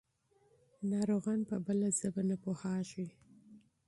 ناروغان په بله ژبه نه پوهېږي.